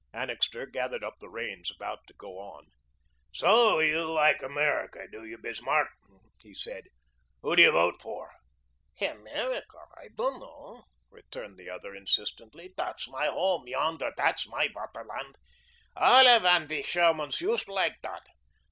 Annixter gathered up the reins, about to go on. "So you like America, do you, Bismarck?" he said. "Who do you vote for?" "Emerica? I doand know," returned the other, insistently. "Dat's my home yonder. Dat's my Vaterland. Alle von we Shairmens yoost like dot.